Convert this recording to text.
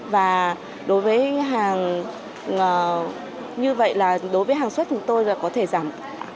và đối với hàng như vậy là đối với hàng xuất của chúng tôi là có thể giảm cơ